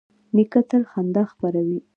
نیکه تل خندا خپروي.